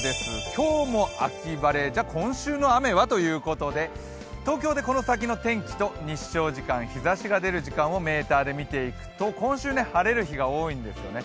今日も秋晴れ、今週の雨は？ということで東京でこの先の天気と日照時間、日ざしの出る時間をメーターで見ていくと、今週晴れる日が多いんですよね。